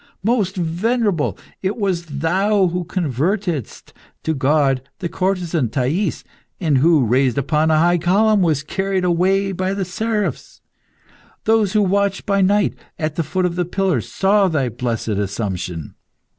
Most venerable, it was thou who convertedst to God the courtesan, Thais, and who, raised upon a high column, was carried away by the seraphs. Those who watched by night, at the foot of the pillar, saw thy blessed assumption.